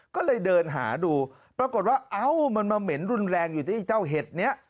ก็เลยเดินหาดูปรากฏว่าเอ้ามันมาเหม็นรุนแรงอยู่ที่เจ้าเห็ดนี้